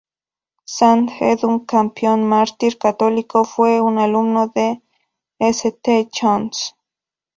San Edmund Campion, mártir católico, fue un alumno del St John’s.